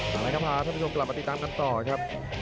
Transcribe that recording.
มาเลยครับพ่อผู้ชมกลับมาติดตามกันต่อครับ